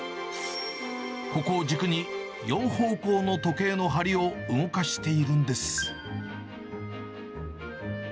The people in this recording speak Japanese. ここを軸に、４方向の時計の針を動かしているんです。